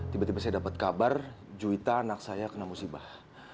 tiba tiba saya dapat kabar juita anak saya kena musibah